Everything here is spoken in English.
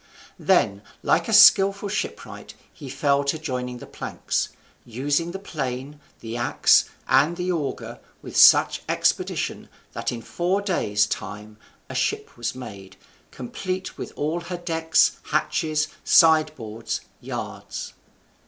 Then, like a skilful shipwright, he fell to joining the planks, using the plane, the axe, and the auger with such expedition that in four days' time a ship was made, complete with all her decks, hatches, sideboards, yards.